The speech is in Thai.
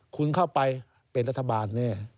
คุณเข้าไปเป็นรัฐบาลแน่